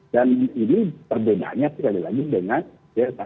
dan ini terbeda sekali lagi dengan delta